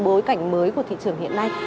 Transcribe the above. bối cảnh mới của thị trường hiện nay